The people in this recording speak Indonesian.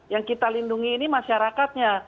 yang kita lindungi ini masyarakatnya